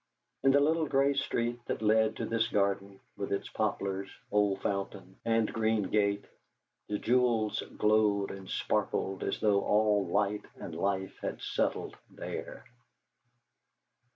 In the little grey street that led to this garden with its poplars, old fountain, and green gate, the jewels glowed and sparkled as though all light and life had settled there.